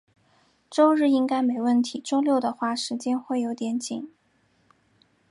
周日应该没问题，周六的话，时间会有点紧。